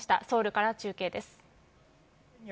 ソウルから中継です。